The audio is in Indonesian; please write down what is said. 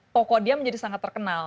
toko dia menjadi sangat terkenal